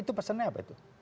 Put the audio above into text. itu pesannya apa itu